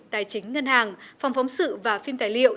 tài chính ngân hàng phòng phóng sự và phim tài liệu